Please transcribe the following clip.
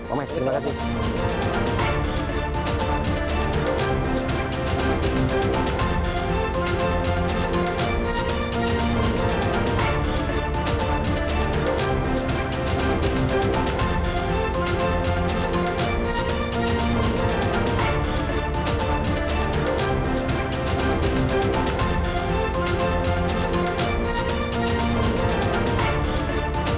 om es terima kasih